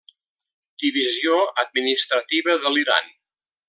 Divisió administrativa de l'Iran.